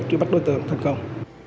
để bắt đối tượng thành công